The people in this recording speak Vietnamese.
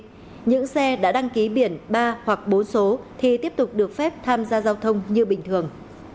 vì vậy những xe đã đăng ký biển ba hoặc bốn số thì tiếp tục được phép tham gia giao thông như bình thường